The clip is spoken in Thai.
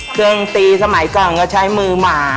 เครื่องตีสมัยก่อนก็ใช้มือหมา